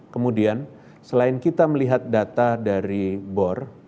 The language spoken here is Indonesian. kemudian selain kita melihat data dari bor